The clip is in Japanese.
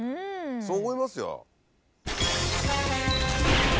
そう思いますよ。